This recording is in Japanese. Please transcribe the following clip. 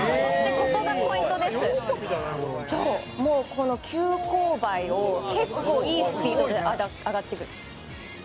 この急勾配を結構いいスピードで上がっていくんです」